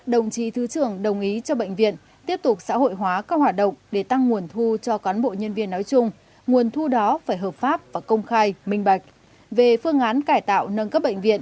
đồng chí thứ trưởng đồng ý cho bệnh viện tiếp tục xã hội hóa các hoạt động để tăng nguồn thu cho cán bộ nhân viên nói chung nguồn thu đó phải hợp pháp và công khai minh bạch